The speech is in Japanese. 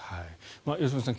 良純さん